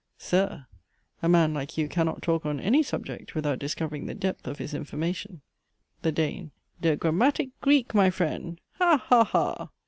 Sir! a man like you cannot talk on any subject without discovering the depth of his information. THE DANE. Dhe grammatic Greek, my friend; ha! ha! Ha!